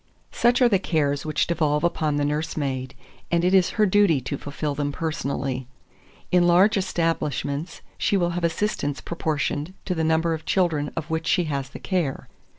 2402. Such are the cares which devolve upon the nursemaid, and it is her duty to fulfil them personally. In large establishments she will have assistants proportioned to the number of children of which she has the care.